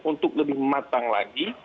untuk lebih matang lagi